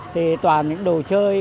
thì toàn những đồ chơi